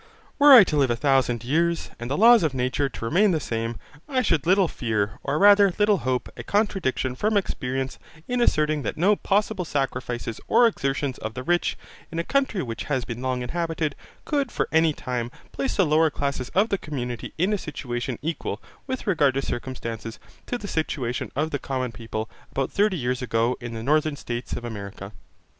Were I to live a thousand years, and the laws of nature to remain the same, I should little fear, or rather little hope, a contradiction from experience in asserting that no possible sacrifices or exertions of the rich, in a country which had been long inhabited, could for any time place the lower classes of the community in a situation equal, with regard to circumstances, to the situation of the common people about thirty years ago in the northern States of America.